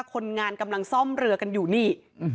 คนงานกำลังซ่อมเรือกันอยู่นี่